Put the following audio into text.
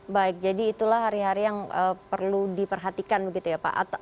baik jadi itulah hari hari yang perlu diperhatikan begitu ya pak